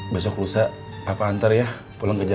besok lusa papa antar ya pulang ke jawa